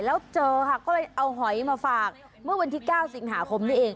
แล้วเจอค่ะก็เลยเอาหอยมาฝากเมื่อวันที่๙สิงหาคมนี้เอง